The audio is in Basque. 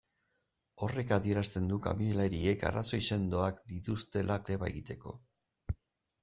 Horrek adierazten du kamioilariek arrazoi sendoak dituztela greba egiteko.